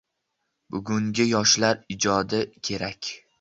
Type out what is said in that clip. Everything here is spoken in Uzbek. Bugungi yoshlar ijodi kerak.